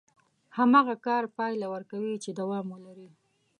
هماغه کار پايله ورکوي چې دوام ولري.